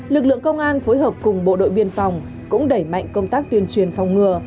lực lượng công an phối hợp cùng bộ đội biên phòng cũng đẩy mạnh công tác tuyên truyền phòng ngừa